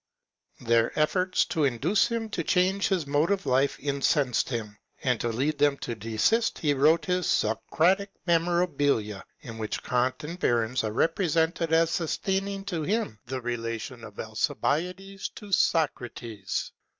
Their efforts to in duce him to change his mode of life incensed him, and to lead them to desist he wrote his " Socratic Memora bilia," in which Kant and Berens are represented as sustaining to him the relation of Alcibiades to Socrates.